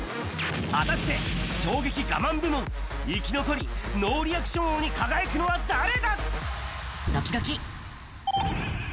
果たして、衝撃ガマン部門、生き残り、ノーリアクション王に輝くのは誰だ？